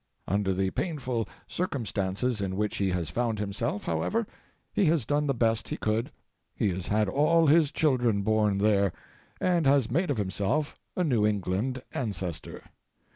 Under the painful circumstances in which he has found himself, however, he has done the best he could he has had all his children born there, and has made of himself a New England ancestor.